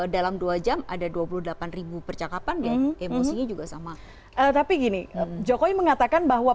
dalam dua jam ada dua puluh delapan percakapan dan emosinya juga sama tapi gini jokowi mengatakan bahwa